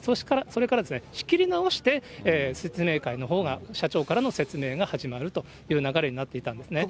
それから仕切り直して、説明会のほうが、社長からの説明が始まるという流れになっていたんですね。